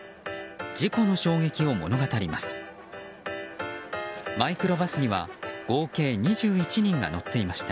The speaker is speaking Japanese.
事故の衝撃を物語ります。